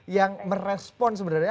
yang merespon sebenarnya